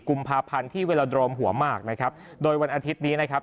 กุมภาพันธ์ที่เวลาโดรมหัวหมากนะครับโดยวันอาทิตย์นี้นะครับ